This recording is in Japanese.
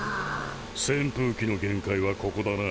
扇風機の限界はここだな。